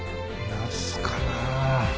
ナスかな。